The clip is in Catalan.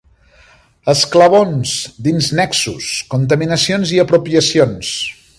Esclavons, dins Nexus; Contaminacions i Apropiacions.